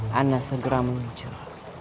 saya segera muncul